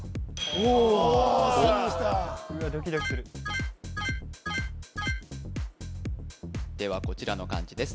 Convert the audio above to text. ・おおっ・うわドキドキするではこちらの漢字です